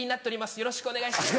よろしくお願いします。